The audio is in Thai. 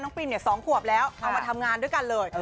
น้องปรีมเนี่ยสองขวบแล้วเอามาทำงานด้วยกันเลย